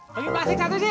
bagi plastik satu j